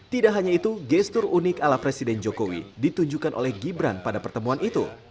tidak hanya itu gestur unik ala presiden jokowi ditunjukkan oleh gibran pada pertemuan itu